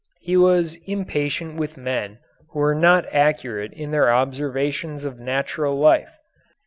He was impatient with men who were not accurate in their observations of natural life.